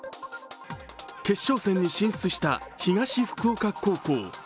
決勝戦に進出した東福岡高校。